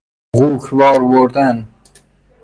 غوک وار بردن